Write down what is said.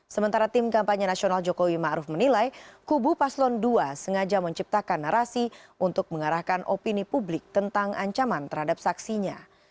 sementara tim kampanye nasional jokowi ⁇ maruf ⁇ menilai kubu paslon dua sengaja menciptakan narasi untuk mengarahkan opini publik tentang ancaman terhadap saksinya